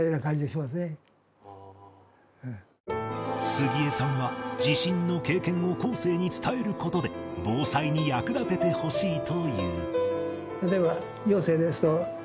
杉江さんは地震の経験を後世に伝える事で防災に役立ててほしいという